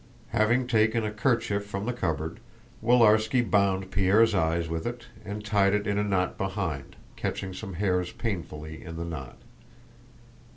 Having taken a kerchief from the cupboard, Willarski bound Pierre's eyes with it and tied it in a knot behind, catching some hairs painfully in the knot.